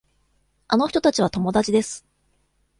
あの人たちは友達です。